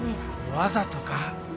わざとか？